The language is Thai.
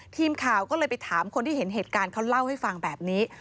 ทีมข่าวก็เลยไปถามคนที่เห็นเหตุการณ์เขาเล่าให้ฟังแบบนี้